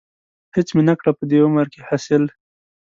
هېڅ مې نه کړه په دې عمر کې حاصل.